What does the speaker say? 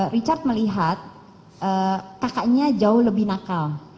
richard melihat kakaknya jauh lebih nakal